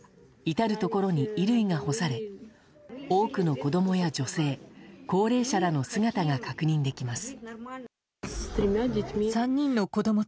至るところに衣類が干され多くの子供や女性高齢者らの姿が確認できます。